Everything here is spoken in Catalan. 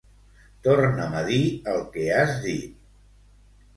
Torna'm a dir el que has dit.